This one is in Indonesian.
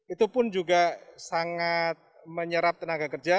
itu pun juga sangat menyerap tenaga kerja